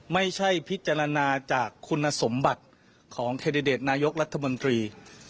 พิจารณาจากคุณสมบัติของแคนดิเดตนายกรัฐมนตรี